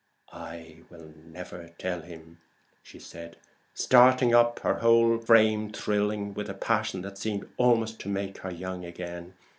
"I will never tell him!" said Mrs. Transome, starting up, her whole frame thrilled with a passion that seemed almost to make her young again.